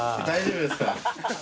大丈夫ですか？